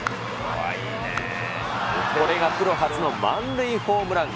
これがプロ初の満塁ホームラン。